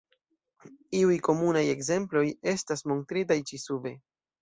Iuj komunaj ekzemploj estas montritaj ĉi sube.